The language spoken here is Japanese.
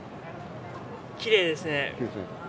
きれいですね。